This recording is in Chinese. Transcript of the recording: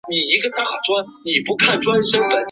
它的灵感来自罗马神话中太阳神阿波罗的初恋故事。